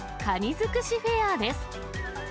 づくしフェアです。